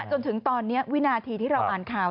จนถึงตอนนี้วินาทีเรากินข่าว